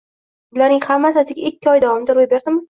Bularning hammasi atigi ikki oy davomida ro`y berdimi